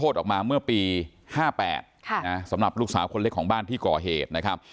สำหรับลูกสาวคนเล็กของบ้านที่ก่อเหตุนะครับ